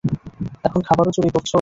এখন খাবারও চুরি করছো?